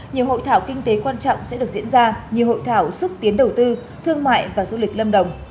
nhiều hội thảo kinh tế quan trọng sẽ được diễn ra như hội thảo xúc tiến đầu tư thương mại và du lịch lâm đồng